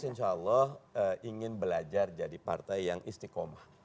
insya allah ingin belajar jadi partai yang istiqomah